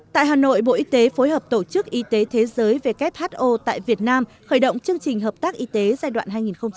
tại hà nội bộ y tế phối hợp tổ chức y tế thế giới who tại việt nam khởi động chương trình hợp tác y tế giai đoạn hai nghìn một mươi chín hai nghìn hai mươi